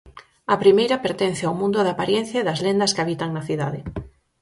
A primeira pertence ao mundo da aparencia e das lendas que habitan na cidade.